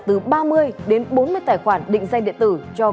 từ ba mươi đến bốn mươi tài khoản định danh điện tử